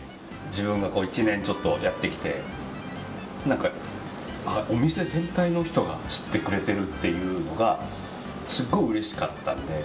自分が１年ちょっとやってきてお店全体の人が知ってくれてるっていうのがすごいうれしかったので。